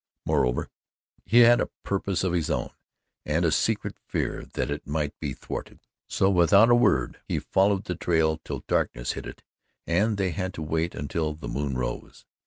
Moreover, he had a purpose of his own and a secret fear that it might be thwarted, so, without a word, he followed the trail till darkness hid it and they had to wait until the moon rose.